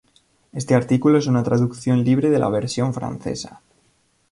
Este artículo es una traducción libre de la versión francesa.